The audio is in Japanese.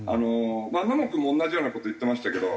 野茂君も同じような事言ってましたけど。